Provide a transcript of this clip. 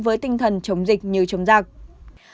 với tinh thần chống dịch như chống dịch